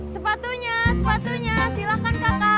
sepatunya sepatunya silahkan kakak